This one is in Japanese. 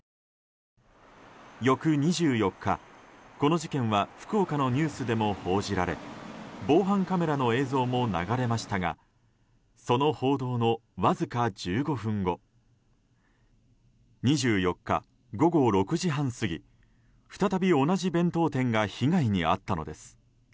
翌２４日、この事件は福岡のニュースでも報じられ防犯カメラの映像も流れましたがその報道のわずか１５分後２４日、午後６時半過ぎ再び同じ弁当店が被害に遭ったのです。